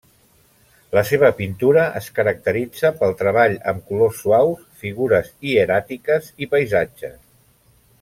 La seva pintura es caracteritza pel treball amb colors suaus, figures hieràtiques i paisatges.